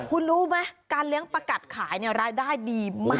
คุณรู้ไหมการเลี้ยงประกัดขายรายได้ดีมาก